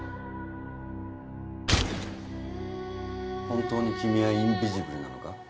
本当に君はインビジブルなのか？